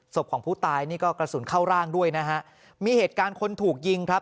ของผู้ตายนี่ก็กระสุนเข้าร่างด้วยนะฮะมีเหตุการณ์คนถูกยิงครับ